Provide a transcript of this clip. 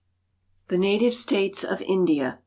THE NATIVE STATES OF INDIA.